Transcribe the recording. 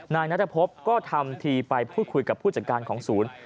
นายนัทพบก็ทำทีไปพูดคุยกับผู้จัดการของศูนย์